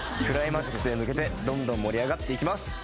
クライマックスへ向けてどんどん盛り上がっていきます。